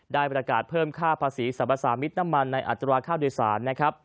ได้บริการเพิ่มค่าภาษี๓๓๓มิตรน้ำมันในอัตราค่าโดยสาร